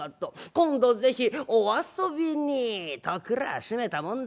今度是非お遊びに』とくりゃあしめたもんだ。